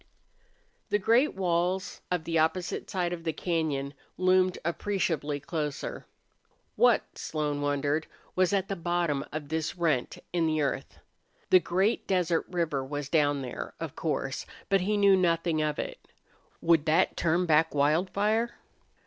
The great walls of the opposite side of the cañon loomed appreciably closer. What, Slone wondered, was at the bottom of this rent in the earth? The great desert river was down there, of course, but he knew nothing of it. Would that turn back Wildfire?